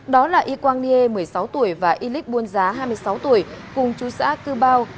đó là y quang nghê một mươi sáu tuổi và y lích buôn giá hai mươi sáu tuổi cùng chú xã cư bao